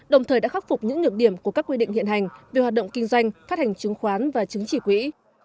đồng thời đã khắc phục những nhược điểm của các quy định hiện hành về hoạt động kinh doanh phát hành chứng khoán và chứng chỉ quỹ